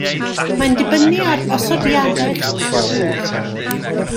Mae'n dibynnu ar osodiadau'ch porwr.